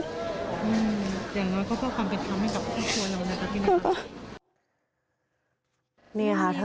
อย่างนั้นเขาเข้าความเป็นคำให้กับผู้ช่วยแล้วนะเมื่อกี้นะคะ